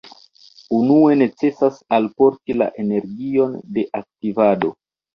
Unue necesas alporti la energion de aktivado.